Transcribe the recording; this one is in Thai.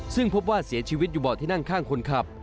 ซึ่งพบว่าเสียชีวิตอยู่เบาะที่นั่งข้างคนขับ